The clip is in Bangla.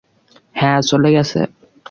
হ্যাঁ - চলে গেছে?